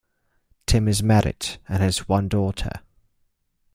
Timm is married and has one daughter.